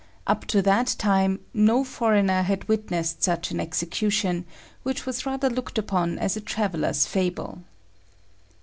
Up to that time no foreigner had witnessed such an execution, which was rather looked upon as a traveller's fable.